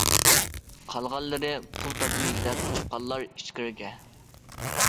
قالغانلىرى پۇل تاپىمىز دەپ چىققانلار ئىچكىرىگە.